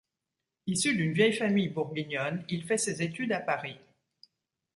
Issu d'une vieille famille bourguignonne, il fait ses études à Paris.